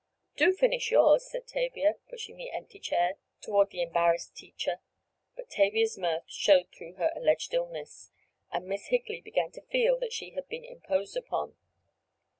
"Do finish yours," said Tavia, pushing the empty chair toward the embarrassed teacher. But Tavia's mirth showed through her alleged illness, and Miss Higley began to feel that she had been imposed upon.